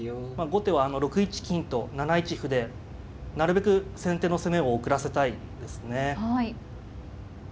後手は６一金と７一歩でなるべく先手の攻めを遅らせたいですね。